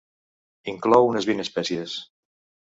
Inclou unes vint espècies.